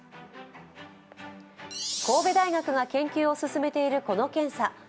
神戸大学が研究を進めているこの検査。